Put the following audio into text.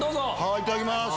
いただきます。